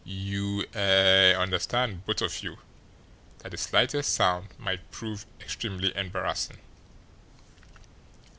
You er understand, both of you, that the slightest sound might prove extremely embarrassing."